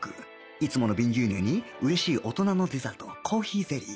いつもの瓶牛乳に嬉しい大人のデザートコーヒーゼリー